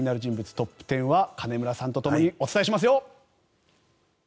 トップ１０は金村さんとともにお伝えしますよ。